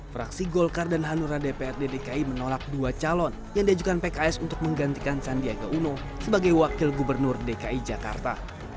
fraksi golkar dan hanura dprd dki menolak dua calon yang diajukan pks untuk menggantikan sandiaga uno sebagai wakil gubernur dki jakarta